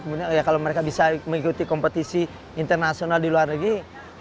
kemudian ya kalau mereka bisa mengikuti kompetisi internasional di luar negeri